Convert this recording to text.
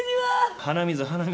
鼻水鼻水。